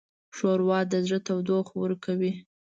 ښوروا د زړه تودوخه ورکوي.